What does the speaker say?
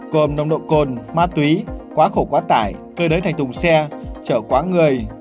gồm nông độ cồn ma túy quá khổ quá tải cơ đới thành thùng xe chở quá người